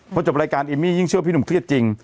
พอจบรายการเอมมี่ยิ่งเชื่อพี่หนุ่มเครียดจริง